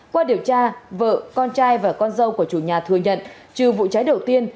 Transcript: qua điều tra vợ con trai và con dâu của chủ nhà thừa nhận trừ vụ cháy đầu tiên